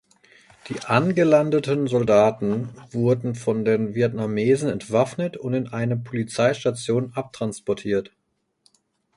Die angelandeten Soldaten wurden von den Vietnamesen entwaffnet und in eine Polizeistation abtransportiert.